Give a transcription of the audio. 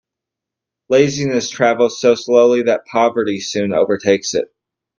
Laziness travels so slowly that poverty soon overtakes it.